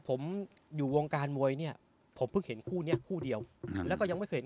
ผมอยู่วงการมวยเนี่ยผมเพิ่งเห็นคู่เนี้ยคู่เดียวแล้วก็ยังไม่เคยเห็น